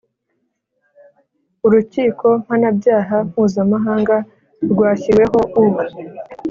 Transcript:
urukiko mpanabyaha mpuzamahanga rwashyiriweho u